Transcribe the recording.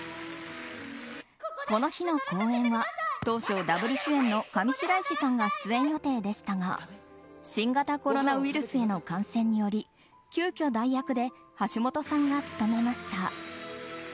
この日の公演は当初ダブル主演の上白石さんが出演予定でしたが新型コロナウイルスへの感染により、急きょ代役で橋本さんが務めました。